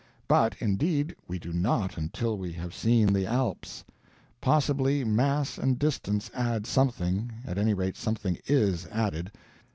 But indeed we do not until we have seen the Alps. Possibly mass and distance add something at any rate, something IS added.